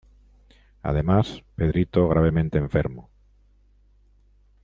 Además, Pedrito gravemente enfermo.